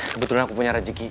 kebetulan aku punya rezeki